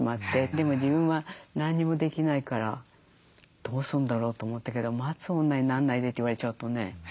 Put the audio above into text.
でも自分は何もできないからどうするんだろうと思ったけど「待つ女になんないで」って言われちゃうとね。